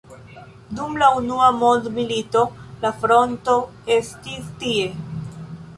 Dum la unua mondmilito la fronto estis tie.